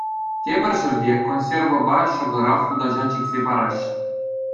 Тепӗр ҫӗрте консервӑпа ҫӑкӑра хутаҫа чиксе параҫҫӗ.